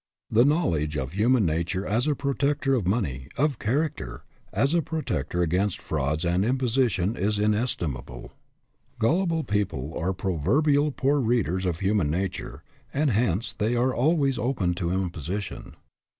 The knowledge of human nature as a protector of money, of character, as a protector against frauds and imposition is inestimable. SIZING UP PEOPLE 197 Gullible people are proverbially poor readers of human nature, and hence they are always open to imposition.